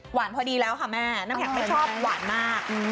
พอดีแล้วค่ะแม่น้ำแข็งไม่ชอบหวานมาก